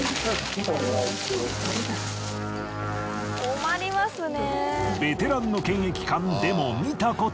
困りますね。